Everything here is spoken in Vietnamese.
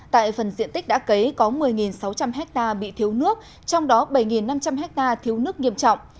tại phần diện tích đã cấy có một mươi sáu trăm linh ha bị thiếu nước trong đó bảy năm trăm linh ha thiếu nước nghiêm trọng